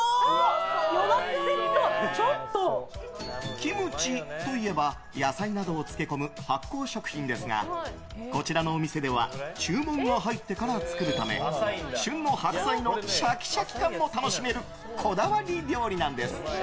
キムチといえば野菜などを漬け込む発酵食品ですがこちらのお店では注文が入ってから作るため旬の白菜のシャキシャキ感も楽しめるこだわり料理なんです。